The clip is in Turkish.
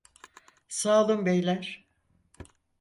Sağ olun beyler.